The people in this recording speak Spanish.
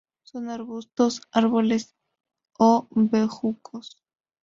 Son arbustos, árboles o bejucos.